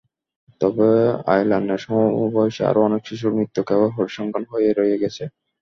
তবে আয়লানের সমবয়সী আরও অনেক শিশুর মৃত্যু কেবল পরিসংখ্যান হয়েই রয়ে গেছে।